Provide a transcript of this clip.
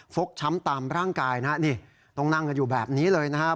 กช้ำตามร่างกายนะฮะนี่ต้องนั่งกันอยู่แบบนี้เลยนะครับ